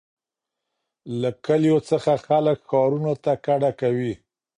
له کلیو څخه خلک ښارونو ته کډه کوي.